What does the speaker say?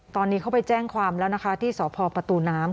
ตอนนี้เขาไปแจ้งความแล้วนะคะที่สพประตูน้ำ